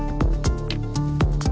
pembelian smartphone di tiongkok